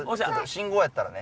信号やったらね。